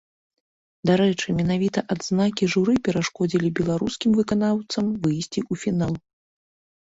Дарэчы, менавіта адзнакі журы перашкодзілі беларускім выканаўцам выйсці ў фінал.